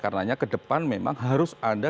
karenanya ke depan memang harus ada